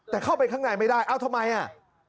แต่เข้าไปข้างในไม่ได้เอ้าทำไมอ่ะ